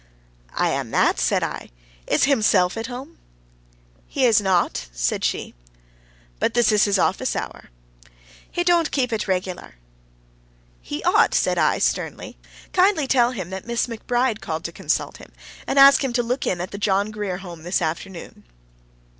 "I am that," said I. "Is himself at home?" "He is not," said she. "But this is his office hour." "He don't keep it regular'." "He ought," said I, sternly. "Kindly tell him that Miss McBride called to consult him, and ask him to look in at the John Grier Home this afternoon."